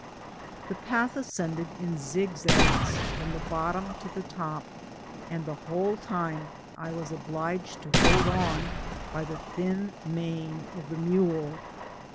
The path asc^ded in zig zags from the bottom to the tqp, and the whole time I was oUiged to hold on by the thin mane of the mule.